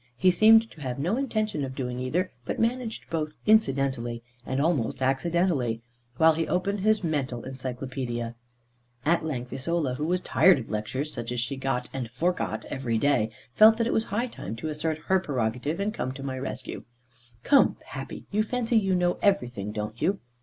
He seemed to have no intention of doing either, but managed both incidentally, and almost accidentally, while he opened his mental encyclopædia. At length, Isola, who was tired of lectures, such as she got and forgot every day, felt that it was high time to assert her prerogative, and come to my rescue. "Come, Pappy, you fancy you know everything, don't you?"